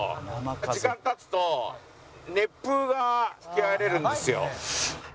時間経つと熱風が吹き荒れるんですよ。